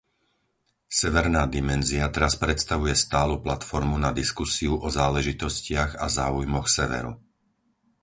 Severná dimenzia teraz predstavuje stálu platformu na diskusiu o záležitostiach a záujmoch severu.